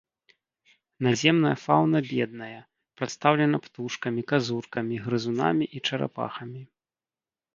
Наземная фаўна бедная, прадстаўлена птушкамі, казуркамі, грызунамі і чарапахамі.